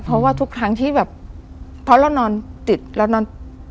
เพราะว่าทุกครั้งที่แบบเพราะเรานอนติดเรานอน